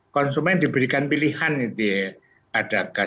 konsumen diberikan pilihan gitu ya